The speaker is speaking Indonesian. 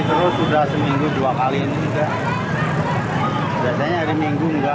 tidak ada tangan ini